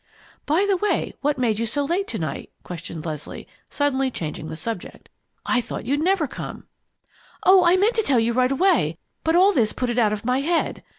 "By the way, what made you so late to night?" questioned Leslie, suddenly changing the subject. "I thought you'd never come!" "Oh, I meant to tell you right away, but all this put it out of my head.